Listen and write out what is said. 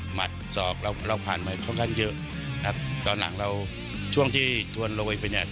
หัดศอกเราเราผ่านมาค่อนข้างเยอะนะครับตอนหลังเราช่วงที่ทวนโรยไปเนี่ย